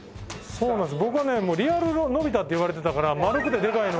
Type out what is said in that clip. そうなんです。